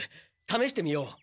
ためしてみよう。